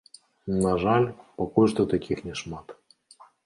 На жаль, пакуль што такіх няшмат.